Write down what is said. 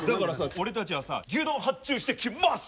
俺たちはさ牛丼発注してきます！